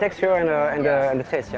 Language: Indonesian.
tekstur dan rasa ya